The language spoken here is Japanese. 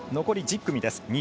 残り１０組です。